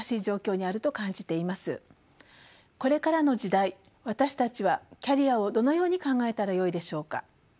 これからの時代私たちはキャリアをどのように考えたらよいでしょうか。